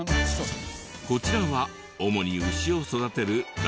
こちらは主に牛を育てる